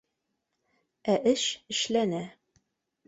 Ә эш эшләнә